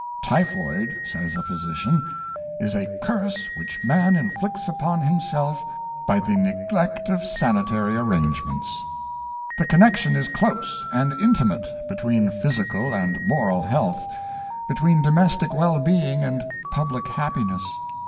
" Typhoid," says a physician, " is a curse which man inflicts upon himself by the neglect of sanitary arrangements." The connection is close and intimate between physi cal and moral health, between domestic well being and public happiness.